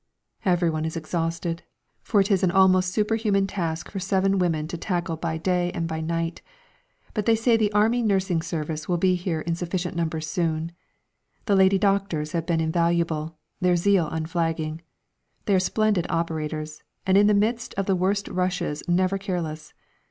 Everyone is exhausted, for it is an almost superhuman task for seven women to tackle by day and by night; but they say the Army Nursing Service will be here in sufficient numbers soon. The lady doctors have been invaluable, their zeal unflagging. They are splendid operators, and in the midst of the worst rushes never careless.